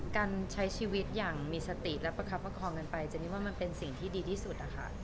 การใช้ชีวิตอย่างมีสติและประคับประคองกันไปเจนี่ว่ามันเป็นสิ่งที่ดีที่สุดนะคะ